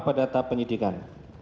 pada data penyidikan